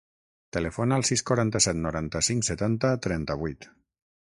Telefona al sis, quaranta-set, noranta-cinc, setanta, trenta-vuit.